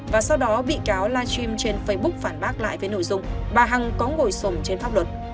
và sau đó bị cáo live stream trên facebook phản bác lại với nội dung bà hằng có ngồi sùng trên pháp luật